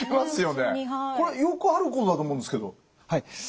これよくあることだと思うんですけど。